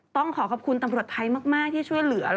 ต้องขอขอบคุณตำรวจไทยมากที่ช่วยเหลือ